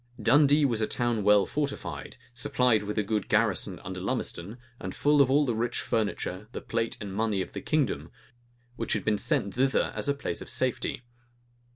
Dundee was a town well fortified, supplied with a good garrison under Lumisden, and full of all the rich furniture, the plate and money of the kingdom, which had been sent thither as to a place of safety.